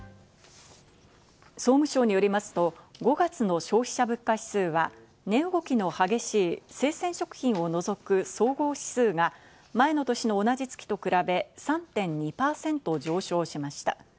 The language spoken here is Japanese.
総務省によりますと、５月の消費者物価指数は、値動きの激しい生鮮食品を除く総合指数が前の年の同じ月と比べ３．２％上昇しました。